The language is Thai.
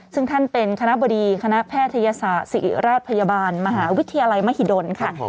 ซึ่งท่านเป็นคณะบดีคณะแพทยศาสตร์ศิริราชพยาบาลมหาวิทยาลัยมหิดลค่ะ